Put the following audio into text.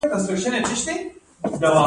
مڼه د وردګو نښه ده.